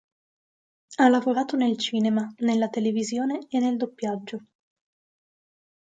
Ha lavorato nel cinema, nella televisione e nel doppiaggio.